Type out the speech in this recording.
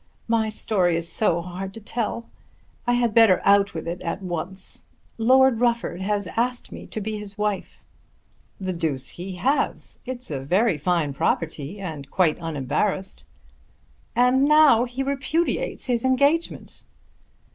My story is so hard to tell. I had better out with it at once. Lord Rufford has asked me to be his wife." "The deuce he has! It's a very fine property and quite unembarrassed." "And now he repudiates his engagement."